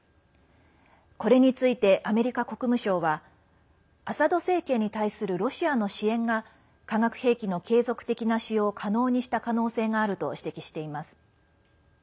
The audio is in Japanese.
これについて、アメリカ国務省はアサド政権に対するロシアの支援が化学兵器の継続的な使用を可能にした可能性があると指摘しています。